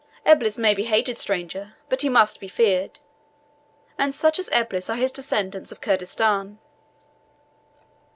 Eblis may be hated, stranger, but he must be feared; and such as Eblis are his descendants of Kurdistan."